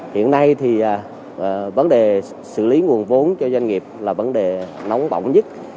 hiện nay thì vấn đề xử lý nguồn vốn cho doanh nghiệp là vấn đề nóng bỏng nhất